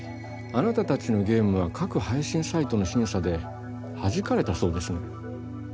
あなた達のゲームは各配信サイトの審査ではじかれたそうですね